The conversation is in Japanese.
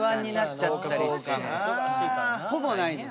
ほぼないです。